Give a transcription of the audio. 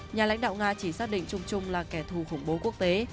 nhà lãnh đạo nga chỉ xác định chung chung là kẻ thù khủng bố quốc tế